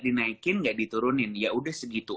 dinaikin gak diturunin ya udah segitu